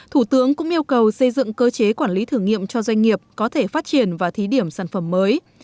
thủ tướng cũng yêu cầu xây dựng cơ chế quản lý thử nghiệm cho doanh nghiệp có thể phát triển và thí điểm sản phẩm mới